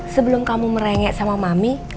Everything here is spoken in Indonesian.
sebelum kamu merengek sama mami